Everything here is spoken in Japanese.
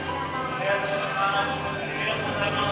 ありがとうございます。